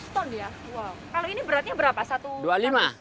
kalau ini beratnya berapa